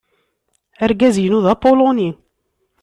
Argaz-inu d apuluni.